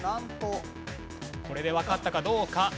これでわかったかどうか。